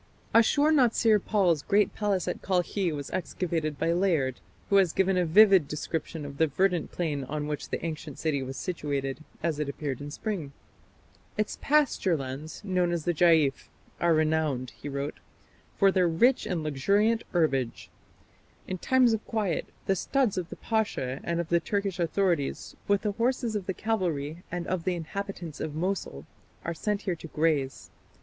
Ashur natsir pal's great palace at Kalkhi was excavated by Layard, who has given a vivid description of the verdant plain on which the ancient city was situated, as it appeared in spring. "Its pasture lands, known as the 'Jaif', are renowned", he wrote, "for their rich and luxuriant herbage. In times of quiet, the studs of the Pasha and of the Turkish authorities, with the horses of the cavalry and of the inhabitants of Mosul, are sent here to graze....